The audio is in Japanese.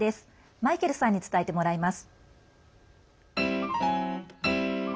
マイケルさんに伝えてもらいます。